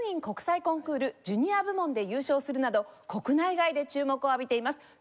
国際コンクールジュニア部門で優勝するなど国内外で注目を浴びています。